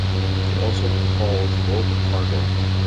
It also hauls bulk cargo.